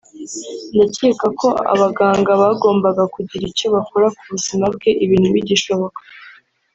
ndakeka ko abaganga bagombaga kugira icyo bakora ku buzima bwe ibintu bigishoboka